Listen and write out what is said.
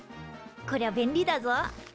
こりゃ便利だぞ。